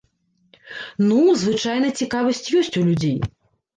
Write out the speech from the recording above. Ну, звычайна цікавасць ёсць у людзей.